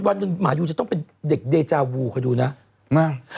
วันหนึ่งหมายูจะต้องเป็นเด็กเดจาวูคอยดูนะไม่